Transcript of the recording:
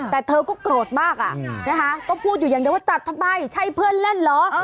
แต่เธอก็โกรธมากอะนะคะก็พูดอยู่อย่างเดียวว่าจับทำไมใช่เพื่อนเล่นเหรอ